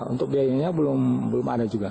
untuk biayanya belum ada juga